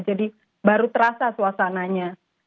jadi baru terasa suasananya